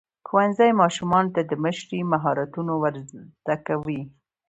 ښوونځی ماشومانو ته د مشرۍ مهارتونه ورزده کوي.